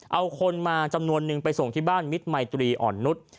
เอาคนมาจำนวนนึงไปส่งที่บ้านมิตรมัยตรีอ่อนนุษย์